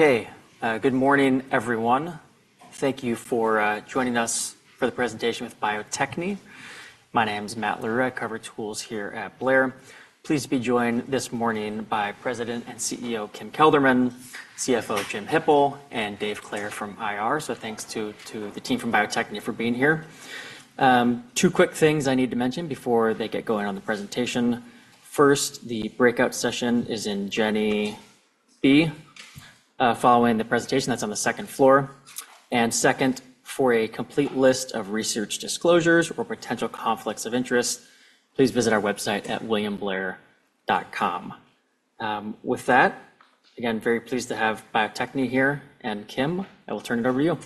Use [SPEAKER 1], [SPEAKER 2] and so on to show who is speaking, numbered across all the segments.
[SPEAKER 1] Okay, good morning, everyone. Thank you for joining us for the presentation with Bio-Techne. My name is Matt Larew. I cover tools here at Blair. Pleased to be joined this morning by President and CEO, Kim Kelderman, CFO, Jim Hippel, and Dave Clair from IR. So thanks to the team from Bio-Techne for being here. Two quick things I need to mention before they get going on the presentation. First, the breakout session is in Jenner B, following the presentation, that's on the second floor. And second, for a complete list of research disclosures or potential conflicts of interest, please visit our website at williamblair.com. With that, again, very pleased to have Bio-Techne here, and Kim, I will turn it over to you.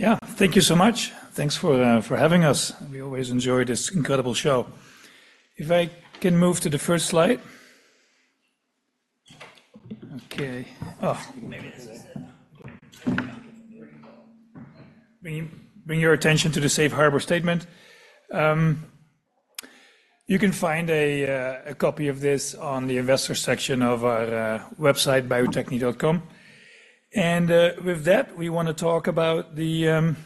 [SPEAKER 2] Yeah, thank you so much. Thanks for for having us. We always enjoy this incredible show. If I can move to the first slide. Okay. Oh-
[SPEAKER 1] Maybe this is it.
[SPEAKER 2] Bring your attention to the safe harbor statement. You can find a copy of this on the investor section of our website, biotechne.com. With that, we wanna talk about the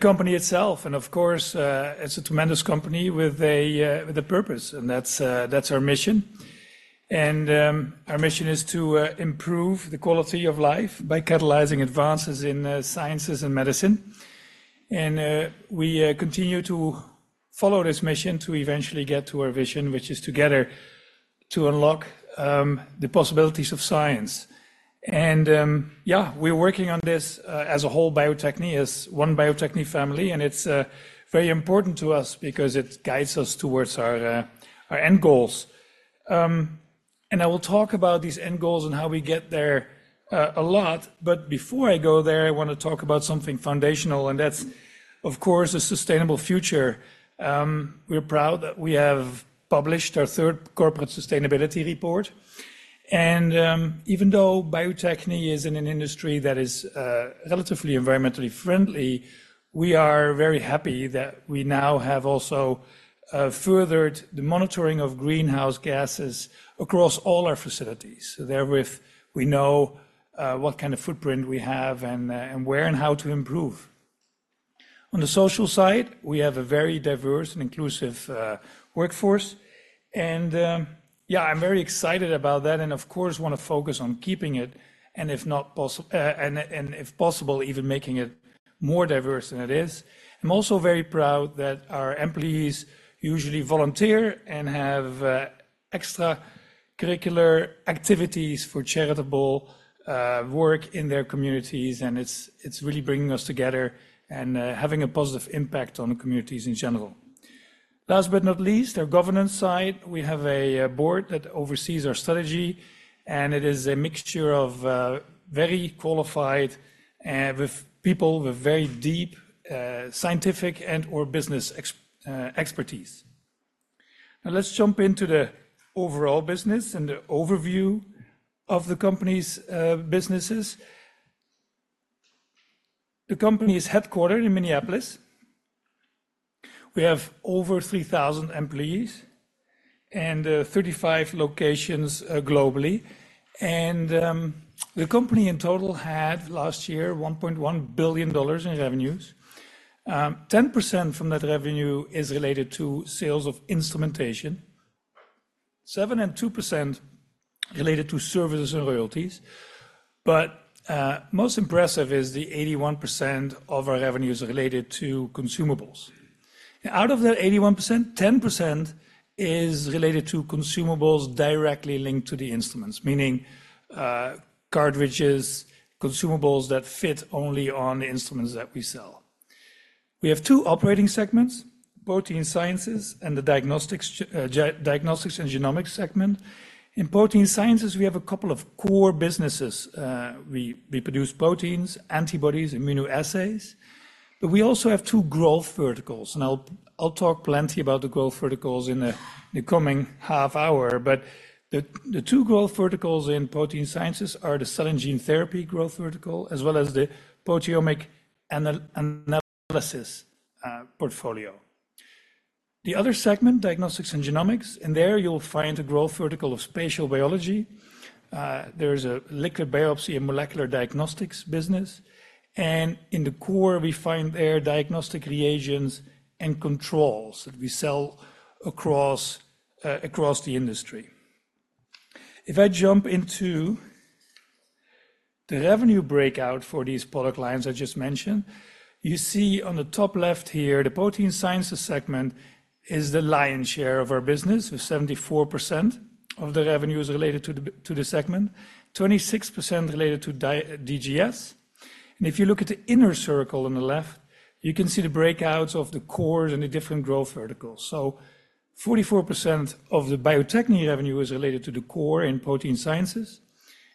[SPEAKER 2] company itself, and of course, it's a tremendous company with a purpose, and that's our mission. Our mission is to improve the quality of life by catalyzing advances in sciences and medicine. We continue to follow this mission to eventually get to our vision, which is together to unlock the possibilities of science. Yeah, we're working on this as a whole, Bio-Techne, as one Bio-Techne family, and it's very important to us because it guides us towards our end goals. I will talk about these end goals and how we get there a lot, but before I go there, I wanna talk about something foundational, and that's, of course, a sustainable future. We're proud that we have published our third corporate sustainability report, and, even though Bio-Techne is in an industry that is, relatively environmentally friendly, we are very happy that we now have also, furthered the monitoring of greenhouse gases across all our facilities. So therewith, we know, what kind of footprint we have and, and where and how to improve. On the social side, we have a very diverse and inclusive, workforce, and, yeah, I'm very excited about that, and of course, wanna focus on keeping it, and if possible, even making it more diverse than it is. I'm also very proud that our employees usually volunteer and have extracurricular activities for charitable work in their communities, and it's really bringing us together and having a positive impact on the communities in general. Last but not least, our governance side, we have a board that oversees our strategy, and it is a mixture of very qualified people with very deep scientific and/or business expertise. Now, let's jump into the overall business and the overview of the company's businesses. The company is headquartered in Minneapolis. We have over 3,000 employees and 35 locations globally. The company in total had, last year, $1.1 billion in revenues. Ten percent from that revenue is related to sales of instrumentation, 7.2% related to services and royalties. But, most impressive is the 81% of our revenues related to consumables. Out of that 81%, 10% is related to consumables directly linked to the instruments, meaning, cartridges, consumables that fit only on the instruments that we sell. We have two operating segments, protein sciences and the diagnostics and genomics segment. In protein sciences, we have a couple of core businesses. We, we produce proteins, antibodies, immunoassays, but we also have two growth verticals, and I'll, I'll talk plenty about the growth verticals in the, the coming half hour. But the, the two growth verticals in protein sciences are the cell and gene therapy growth vertical, as well as the proteomic analysis portfolio. The other segment, diagnostics and genomics, and there you'll find a growth vertical of spatial biology. There's a liquid biopsy and molecular diagnostics business, and in the core, we find our diagnostic reagents and controls that we sell across the industry. If I jump into the revenue breakout for these product lines I just mentioned, you see on the top left here, the protein sciences segment is the lion's share of our business, with 74% of the revenues related to the segment, 26% related to DGS. And if you look at the inner circle on the left, you can see the breakouts of the cores and the different growth verticals. So 44% of the Bio-Techne revenue is related to the core in protein sciences,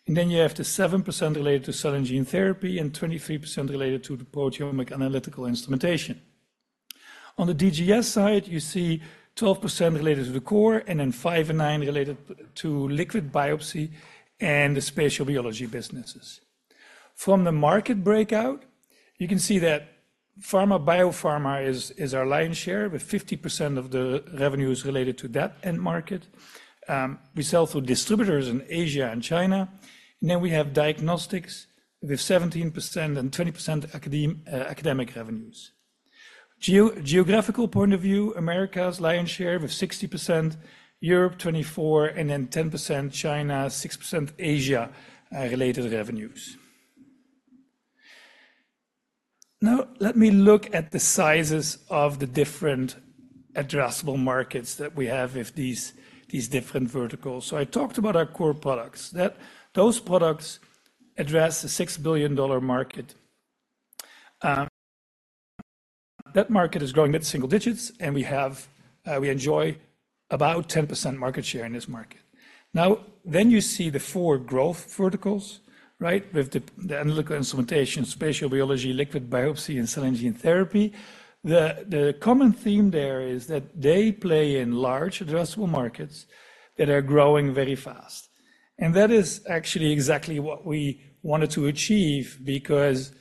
[SPEAKER 2] and then you have the 7% related to cell and gene therapy, and 23% related to the proteomic analytical instrumentation. On the DGS side, you see 12% related to the core, and then 5% and 9% related to liquid biopsy and the spatial biology businesses. From the market breakout, you can see that pharma, biopharma is our lion's share, with 50% of the revenue is related to that end market. We sell through distributors in Asia and China, and then we have diagnostics with 17% and 20% academic revenues. Geographical point of view, Americas lion's share with 60%, Europe 24%, and then 10% China, 6% Asia related revenues. Now, let me look at the sizes of the different addressable markets that we have with these different verticals. So I talked about our core products, that those products address a $6 billion market. That market is growing mid-single digits, and we have... We enjoy about 10% market share in this market. Now, then you see the four growth verticals, right? With the, the analytical instrumentation, spatial biology, liquid biopsy, and cell and gene therapy. The, the common theme there is that they play in large addressable markets that are growing very fast. And that is actually exactly what we wanted to achieve because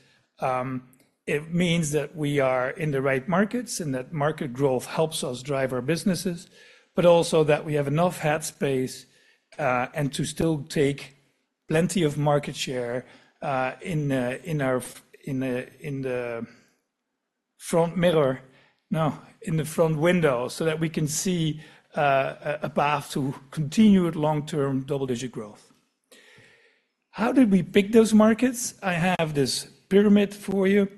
[SPEAKER 2] it means that we are in the right markets and that market growth helps us drive our businesses, but also that we have enough head space and to still take plenty of market share in the front window, so that we can see a path to continued long-term double-digit growth. How did we pick those markets? I have this pyramid for you,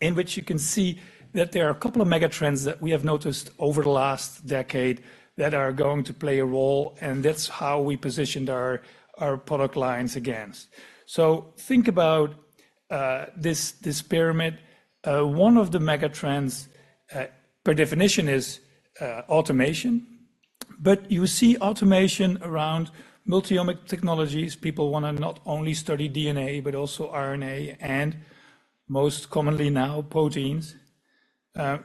[SPEAKER 2] in which you can see that there are a couple of megatrends that we have noticed over the last decade that are going to play a role, and that's how we positioned our product lines against. So think about this pyramid. One of the megatrends, per definition is automation. But you see automation around multiomic technologies. People wanna not only study DNA, but also RNA, and most commonly now, proteins.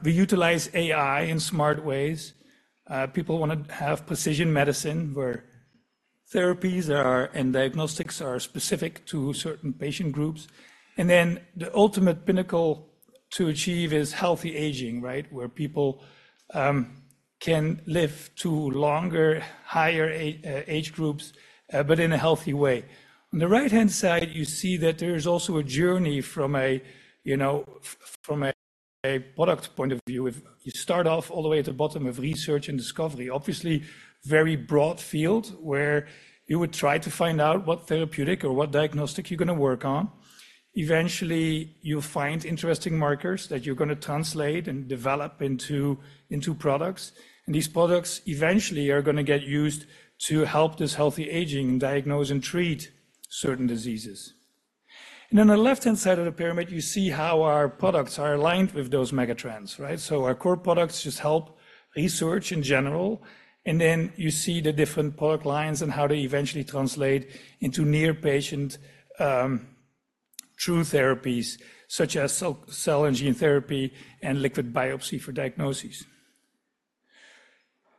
[SPEAKER 2] We utilize AI in smart ways. People wanna have precision medicine, where therapies are, and diagnostics are specific to certain patient groups. And then the ultimate pinnacle to achieve is healthy aging, right? Where people can live to longer, higher age groups, but in a healthy way. On the right-hand side, you see that there is also a journey from a, you know, from a product point of view. If you start off all the way at the bottom of research and discovery, obviously, very broad field, where you would try to find out what therapeutic or what diagnostic you're gonna work on. Eventually, you'll find interesting markers that you're gonna translate and develop into products, and these products eventually are gonna get used to help this healthy aging, diagnose and treat certain diseases. And on the left-hand side of the pyramid, you see how our products are aligned with those megatrends, right? So our core products just help research in general, and then you see the different product lines and how they eventually translate into near patient true therapies, such as cell and gene therapy and liquid biopsy for diagnoses.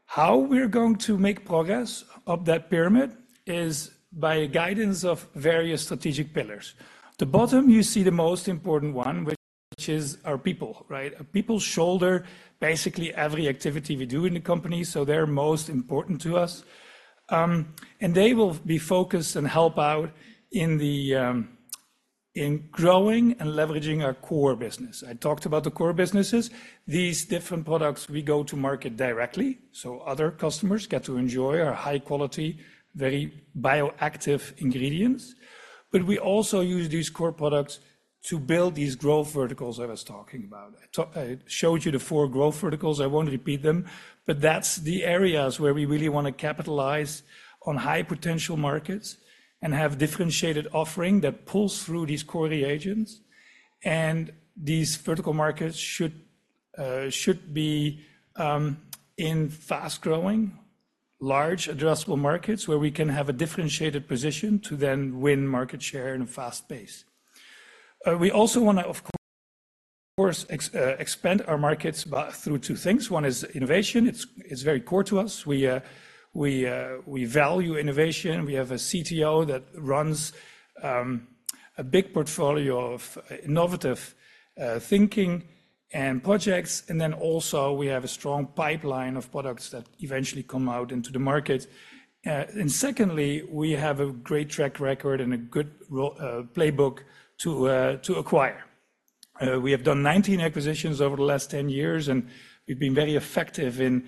[SPEAKER 2] How we're going to make progress up that pyramid is by guidance of various strategic pillars. The bottom, you see the most important one, which is our people, right? People shoulder basically every activity we do in the company, so they're most important to us. And they will be focused and help out in growing and leveraging our core business. I talked about the core businesses. These different products, we go to market directly, so other customers get to enjoy our high quality, very bioactive ingredients. But we also use these core products to build these growth verticals I was talking about. I showed you the four growth verticals. I won't repeat them, but that's the areas where we really wanna capitalize on high potential markets and have differentiated offering that pulls through these core reagents. These vertical markets should be in fast-growing, large addressable markets, where we can have a differentiated position to then win market share in a fast pace. We also wanna, of course, expand our markets by through two things. One is innovation. It's very core to us. We value innovation. We have a CTO that runs a big portfolio of innovative thinking and projects, and then also, we have a strong pipeline of products that eventually come out into the market. And secondly, we have a great track record and a good playbook to acquire. We have done 19 acquisitions over the last 10 years, and we've been very effective in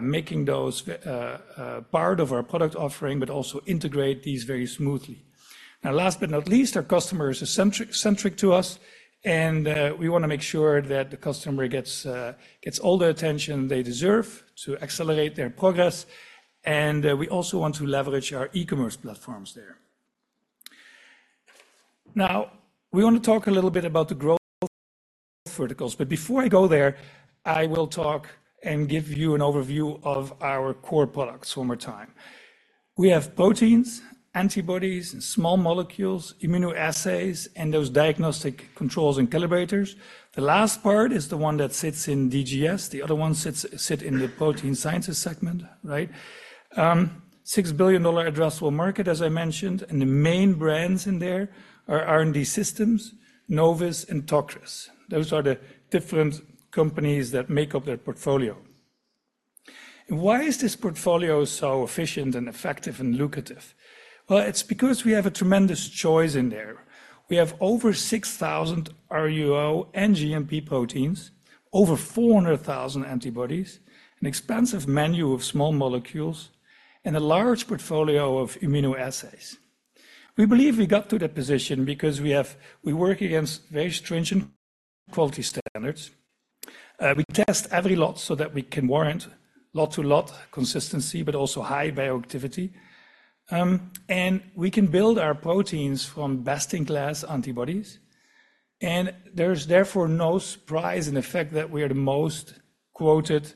[SPEAKER 2] making those part of our product offering, but also integrate these very smoothly. Now, last but not least, our customer is centric, centric to us, and we wanna make sure that the customer gets, gets all the attention they deserve to accelerate their progress, and we also want to leverage our e-commerce platforms there. Now, we want to talk a little bit about the growth verticals, but before I go there, I will talk and give you an overview of our core products one more time. We have proteins, antibodies, and small molecules, immunoassays, and those diagnostic controls and calibrators. The last part is the one that sits in DGS. The other ones sits, sit in the protein sciences segment, right? $6 billion addressable market, as I mentioned, and the main brands in there are R&D Systems, Novus, and Tocris. Those are the different companies that make up that portfolio. And why is this portfolio so efficient and effective and lucrative? Well, it's because we have a tremendous choice in there. We have over 6,000 RUO and GMP proteins, over 400,000 antibodies, an expansive menu of small molecules, and a large portfolio of immunoassays. We believe we got to that position because we have we work against very stringent quality standards. We test every lot so that we can warrant lot-to-lot consistency, but also high bioactivity. And we can build our proteins from best-in-class antibodies, and there's therefore no surprise in the fact that we are the most quoted,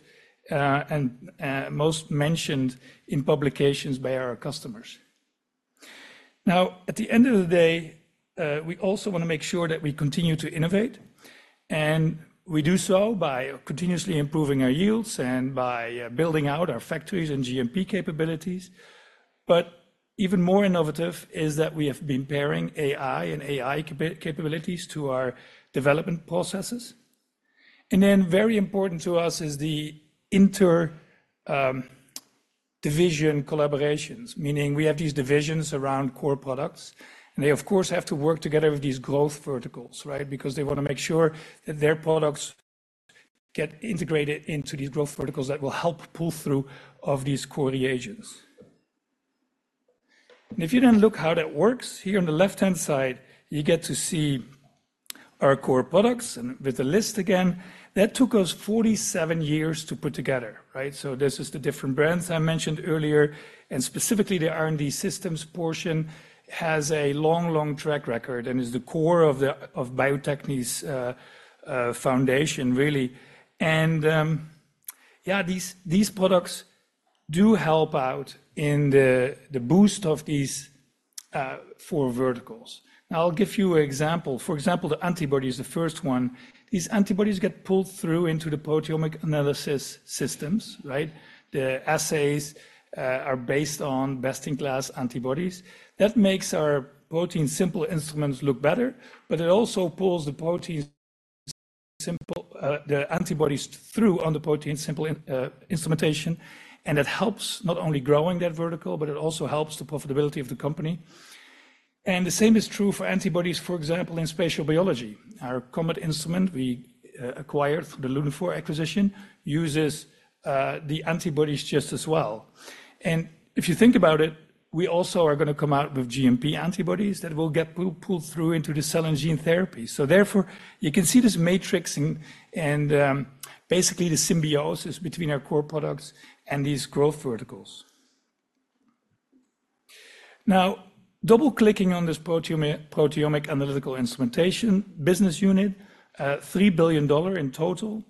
[SPEAKER 2] and most mentioned in publications by our customers. Now, at the end of the day, we also wanna make sure that we continue to innovate, and we do so by continuously improving our yields and by building out our factories and GMP capabilities. But even more innovative is that we have been pairing AI and AI capabilities to our development processes. And then very important to us is the inter division collaborations, meaning we have these divisions around core products, and they, of course, have to work together with these growth verticals, right? Because they wanna make sure that their products get integrated into these growth verticals that will help pull through of these core reagents. And if you then look how that works, here on the left-hand side, you get to see our core products and with the list again. That took us 47 years to put together, right? So this is the different brands I mentioned earlier, and specifically, the R&D Systems portion has a long, long track record and is the core of the, of Bio-Techne's, foundation, really. And, yeah, these, these products do help out in the, the boost of these, four verticals. Now, I'll give you an example. For example, the antibodies, the first one, these antibodies get pulled through into the proteomic analysis systems, right? The assays are based on best-in-class antibodies. That makes our ProteinSimple instruments look better, but it also pulls the ProteinSimple, the antibodies through on the ProteinSimple instrumentation, and it helps not only growing that vertical, but it also helps the profitability of the company. And the same is true for antibodies, for example, in spatial biology. Our COMET instrument we acquired through the Lunaphore acquisition, uses the antibodies just as well. And if you think about it, we also are gonna come out with GMP antibodies that will get pulled through into the cell and gene therapy. So therefore, you can see this matrix and basically the symbiosis between our core products and these growth verticals. Now, double-clicking on this proteome, proteomic analytical instrumentation business unit, $3 billion in total.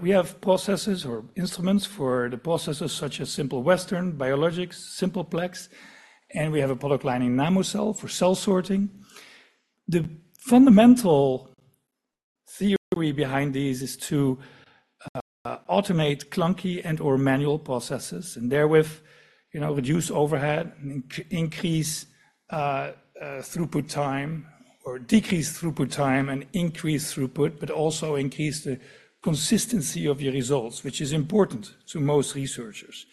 [SPEAKER 2] We have processes or instruments for the processes such as Simple Western, biologics, Simple Plex, and we have a product line in Namocell for cell sorting. The fundamental theory behind these is to automate clunky and/or manual processes, and therewith, you know, reduce overhead and increase throughput time or decrease throughput time and increase throughput, but also increase the consistency of your results, which is important to most researchers.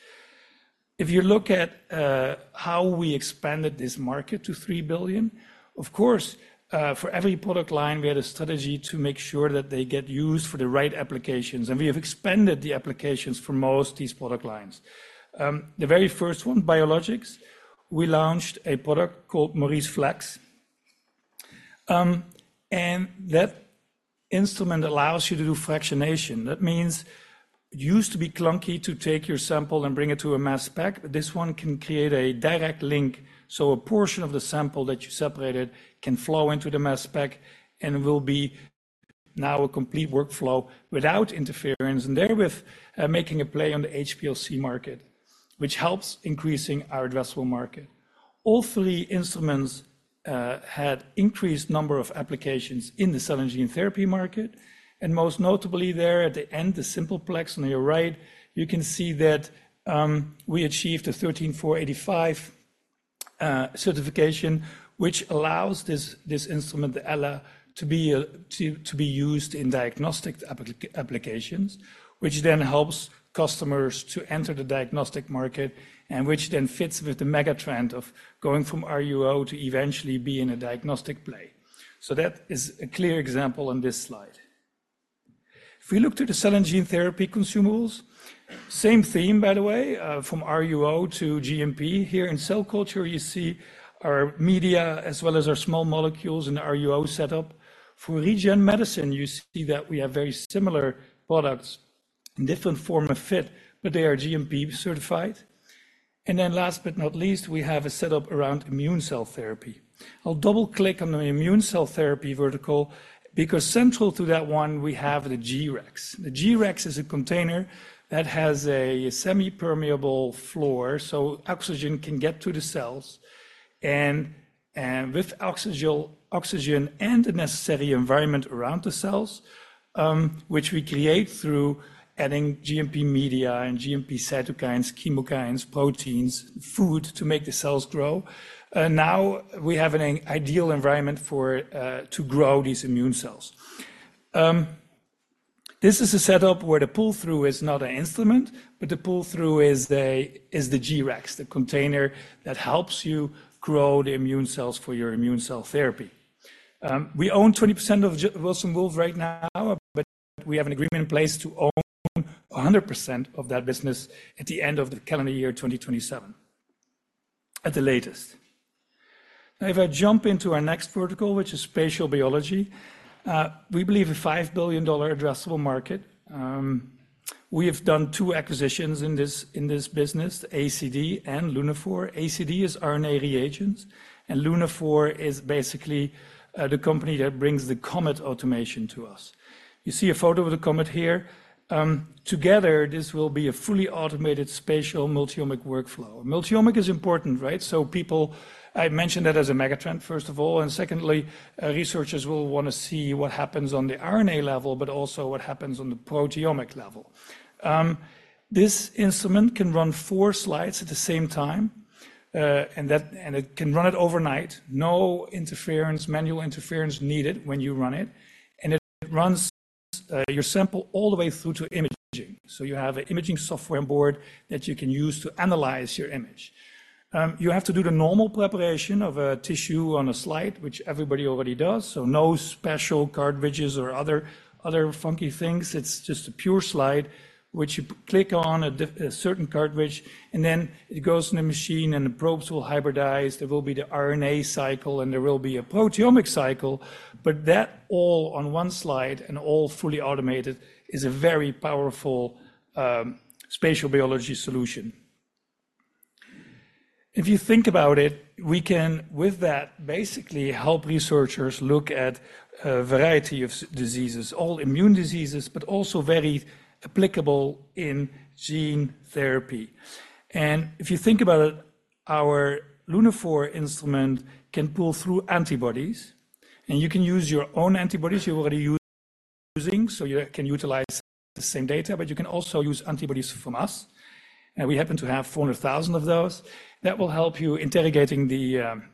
[SPEAKER 2] If you look at how we expanded this market to $3 billion, of course, for every product line, we had a strategy to make sure that they get used for the right applications, and we have expanded the applications for most of these product lines. The very first one, biologics, we launched a product called MauriceFlex. And that instrument allows you to do fractionation. That means it used to be clunky to take your sample and bring it to a mass spec, but this one can create a direct link, so a portion of the sample that you separated can flow into the mass spec and will be now a complete workflow without interference, and therewith, making a play on the HPLC market, which helps increasing our addressable market. All three instruments had increased number of applications in the cell and gene therapy market, and most notably there at the end, the Simple Plex on your right, you can see that, we achieved a 13485 certification, which allows this, this instrument, the Ella, to be, to, to be used in diagnostic applications, which then helps customers to enter the diagnostic market and which then fits with the mega trend of going from RUO to eventually be in a diagnostic play. So that is a clear example on this slide. If we look to the cell and gene therapy consumables, same theme, by the way, from RUO to GMP. Here in cell culture, you see our media, as well as our small molecules and RUO setup. For regen medicine, you see that we have very similar products in different form of fit, but they are GMP certified. And then last but not least, we have a setup around immune cell therapy. I'll double-click on the immune cell therapy vertical, because central to that one, we have the G-Rex. The G-Rex is a container that has a semipermeable floor, so oxygen can get to the cells. And with oxygen and the necessary environment around the cells, which we create through adding GMP media and GMP cytokines, chemokines, proteins, food to make the cells grow, now we have an ideal environment for to grow these immune cells. This is a setup where the pull-through is not an instrument, but the pull-through is the G-Rex, the container that helps you grow the immune cells for your immune cell therapy. We own 20% of Wilson Wolf right now, but we have an agreement in place to own 100% of that business at the end of the calendar year 2027, at the latest. Now, if I jump into our next vertical, which is spatial biology, we believe a $5 billion addressable market. We have done two acquisitions in this, in this business, ACD and Lunaphore. ACD is RNA reagents, and Lunaphore is basically, the company that brings the COMET automation to us. You see a photo of the COMET here. Together, this will be a fully automated spatial multi-omic workflow. Multi-omic is important, right? So people. I mentioned that as a megatrend, first of all, and secondly, researchers will want to see what happens on the RNA level, but also what happens on the proteomic level. This instrument can run four slides at the same time, and it can run it overnight. No manual interference needed when you run it, and it runs your sample all the way through to imaging. So you have an imaging software on board that you can use to analyze your image. You have to do the normal preparation of a tissue on a slide, which everybody already does, so no special cartridges or other funky things. It's just a pure slide, which you click on a certain cartridge, and then it goes in a machine, and the probes will hybridize. There will be the RNA cycle, and there will be a proteomic cycle, but that all on 1 slide and all fully automated is a very powerful spatial biology solution. If you think about it, we can, with that, basically help researchers look at a variety of diseases, all immune diseases, but also very applicable in gene therapy. And if you think about it, our Lunaphore instrument can pull through antibodies, and you can use your own antibodies you're already using, so you can utilize the same data, but you can also use antibodies from us, and we happen to have 400,000 of those. That will help you interrogating the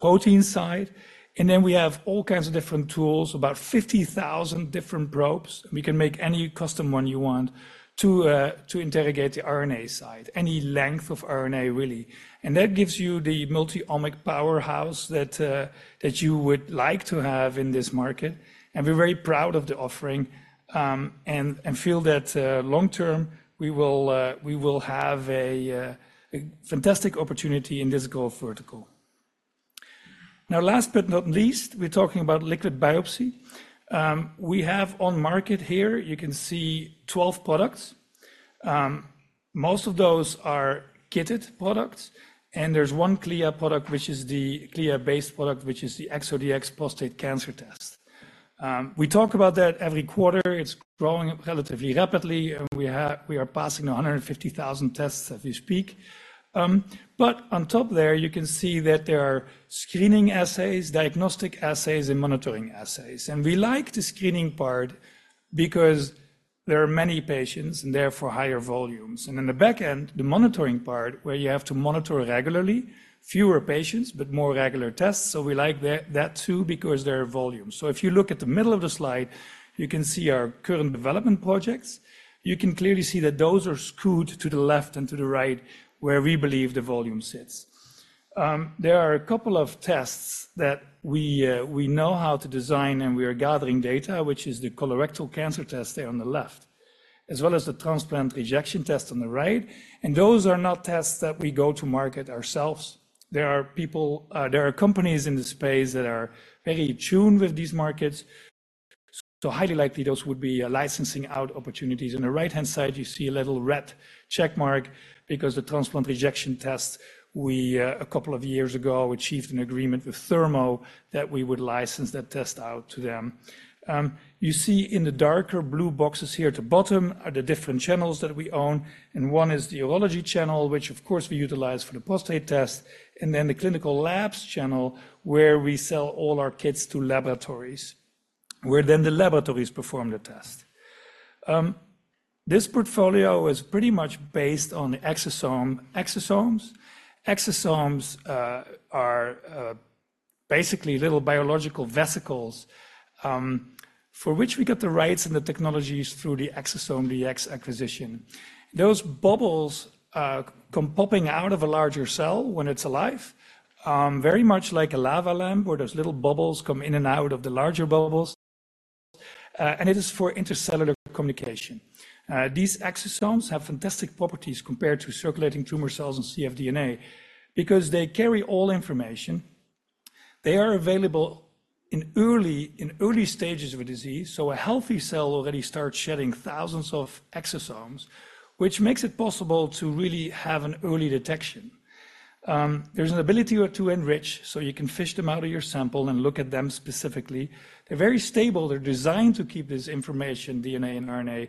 [SPEAKER 2] protein side. And then we have all kinds of different tools, about 50,000 different probes. We can make any custom one you want to interrogate the RNA side, any length of RNA, really. And that gives you the multiomic powerhouse that you would like to have in this market. We're very proud of the offering, and feel that long term, we will have a fantastic opportunity in this growth vertical. Now, last but not least, we're talking about liquid biopsy. We have on market here, you can see 12 products. Most of those are kitted products, and there's one CLIA product, which is the CLIA-based product, which is the ExoDx Prostate cancer test. We talk about that every quarter. It's growing relatively rapidly, and we are passing 150,000 tests as we speak. But on top there, you can see that there are screening assays, diagnostic assays, and monitoring assays. We like the screening part because there are many patients and therefore higher volumes. In the back end, the monitoring part, where you have to monitor regularly, fewer patients, but more regular tests, so we like that, that too, because there are volumes. If you look at the middle of the slide, you can see our current development projects. You can clearly see that those are skewed to the left and to the right, where we believe the volume sits. There are a couple of tests that we know how to design, and we are gathering data, which is the colorectal cancer test there on the left, as well as the transplant rejection test on the right. Those are not tests that we go to market ourselves. There are companies in the space that are very in tune with these markets, so highly likely, those would be licensing out opportunities. On the right-hand side, you see a little red check mark because the transplant rejection test, we, a couple of years ago, achieved an agreement with Thermo that we would license that test out to them. You see in the darker blue boxes here at the bottom are the different channels that we own, and one is the urology channel, which of course, we utilize for the prostate test, and then the clinical labs channel, where we sell all our kits to laboratories, where then the laboratories perform the test. This portfolio is pretty much based on the exosome. Exosomes? Exosomes are basically little biological vesicles, for which we get the rights and the technologies through the ExosomeDX acquisition. Those bubbles come popping out of a larger cell when it's alive, very much like a lava lamp, where those little bubbles come in and out of the larger bubbles, and it is for intercellular communication. These exosomes have fantastic properties compared to circulating tumor cells and cfDNA because they carry all information. They are available in early, in early stages of a disease, so a healthy cell already starts shedding thousands of exosomes, which makes it possible to really have an early detection. There's an ability to enrich, so you can fish them out of your sample and look at them specifically. They're very stable. They're designed to keep this information, DNA and RNA,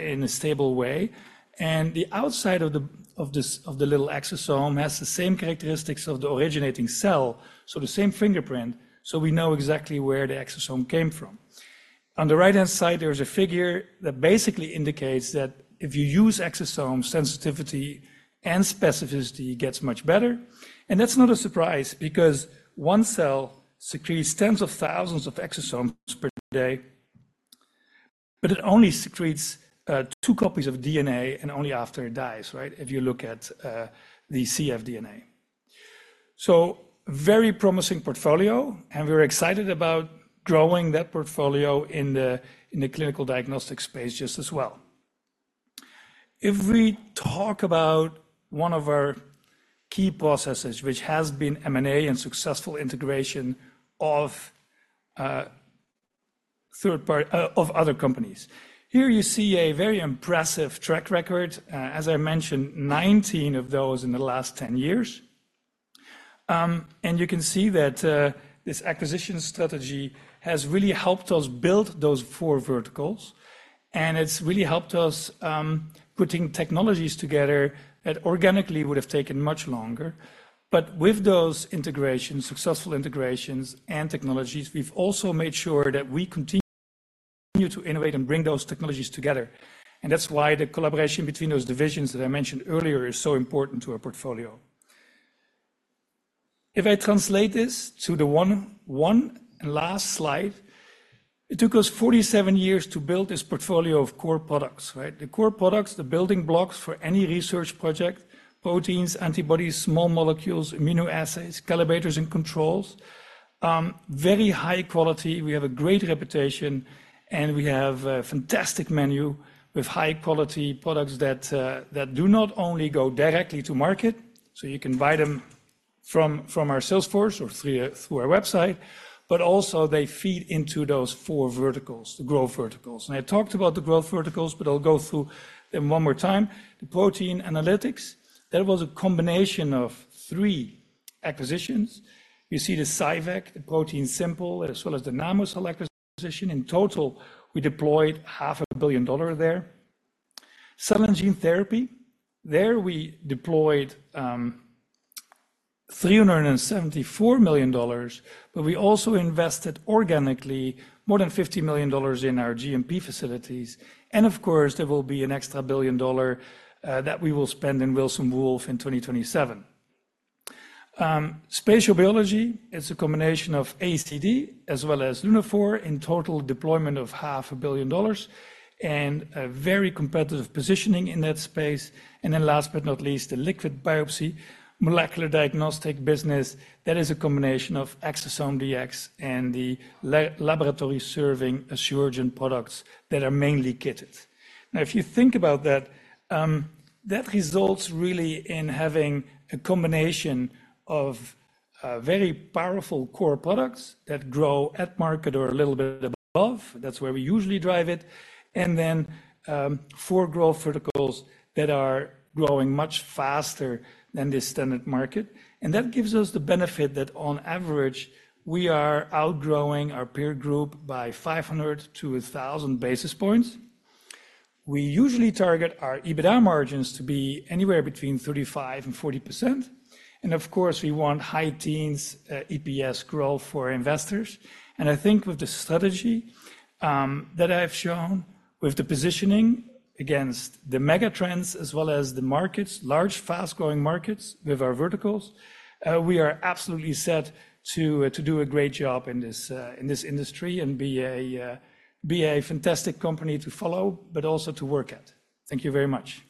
[SPEAKER 2] in a stable way, and the outside of the, of this, of the little exosome has the same characteristics of the originating cell, so the same fingerprint, so we know exactly where the exosome came from. On the right-hand side, there is a figure that basically indicates that if you use exosome sensitivity and specificity, it gets much better. And that's not a surprise because one cell secretes tens of thousands of exosomes per day, but it only secretes two copies of DNA and only after it dies, right? If you look at the cfDNA. So very promising portfolio, and we're excited about growing that portfolio in the, in the clinical diagnostic space just as well. If we talk about one of our key processes, which has been M&A and successful integration of other companies. Here you see a very impressive track record. As I mentioned, 19 of those in the last 10 years. And you can see that this acquisition strategy has really helped us build those four verticals, and it's really helped us putting technologies together that organically would have taken much longer. But with those integrations, successful integrations and technologies, we've also made sure that we continue to innovate and bring those technologies together. And that's why the collaboration between those divisions that I mentioned earlier is so important to our portfolio. If I translate this to the one, one and last slide, it took us 47 years to build this portfolio of core products, right? The core products, the building blocks for any research project, proteins, antibodies, small molecules, immunoassays, calibrators, and controls. Very high quality. We have a great reputation, and we have a fantastic menu with high-quality products that, that do not only go directly to market, so you can buy them from, from our sales force or through, through our website, but also they feed into those four verticals, the growth verticals. And I talked about the growth verticals, but I'll go through them one more time. The protein analytics, that was a combination of three acquisitions. You see the CyVek, the ProteinSimple, as well as the Namocell acquisition. In total, we deployed $500 million there. Cell and gene therapy, there we deployed $374 million, but we also invested organically more than $50 million in our GMP facilities. Of course, there will be an extra $1 billion that we will spend in Wilson Wolf in 2027. Spatial biology is a combination of ACD as well as Lunaphore. In total, deployment of $500 million and a very competitive positioning in that space. And then last but not least, the liquid biopsy molecular diagnostic business, that is a combination of ExosomeDx and the laboratory serving Asuragen products that are mainly kitted. Now, if you think about that, that results really in having a combination of very powerful core products that grow at market or a little bit above. That's where we usually drive it. And then, four growth verticals that are growing much faster than the standard market. And that gives us the benefit that on average, we are outgrowing our peer group by 500-1,000 basis points. We usually target our EBITDA margins to be anywhere between 35%-40%, and of course, we want high teens EPS growth for investors. I think with the strategy that I've shown, with the positioning against the mega trends as well as the markets, large, fast-growing markets with our verticals, we are absolutely set to to do a great job in this, in this industry and be a, be a fantastic company to follow, but also to work at. Thank you very much.